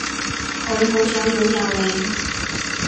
佢好想擁有你